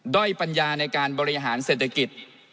้อยปัญญาในการบริหารเศรษฐกิจ